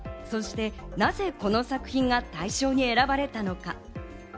そしてなぜこの作品が大賞に選ばれたのか。